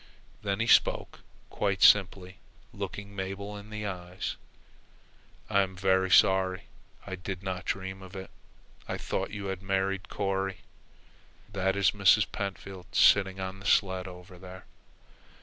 Then he spoke, quite simply, looking Mabel in the eyes. "I am very sorry. I did not dream it. I thought you had married Corry. That is Mrs. Pentfield sitting on the sled over there."